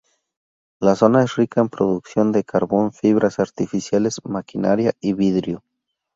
La zona es rica en producción de carbón, fibras artificiales, maquinaria y vidrio.